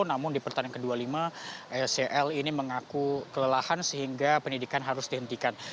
namun di pertandingan ke dua puluh lima cl ini mengaku kelelahan sehingga pendidikan harus dihentikan